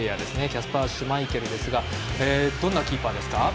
キャスパー・シュマイケルですがどんなキーパーですか？